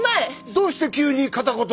どうして急に片言に。